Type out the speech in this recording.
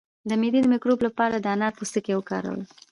د معدې د مکروب لپاره د انار پوستکی وکاروئ